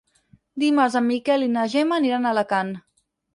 Dimarts en Miquel i na Gemma aniran a Alacant.